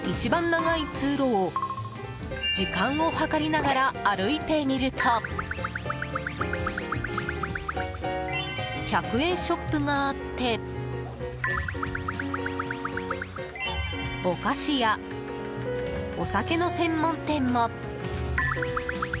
長い通路を時間を計りながら歩いてみると１００円ショップがあってお菓子やお酒の専門店も。